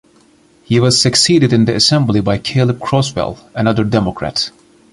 He was succeeded in the Assembly by Caleb Crosswell (another Democrat).